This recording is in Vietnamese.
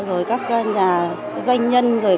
rồi các nhà doanh nhân rồi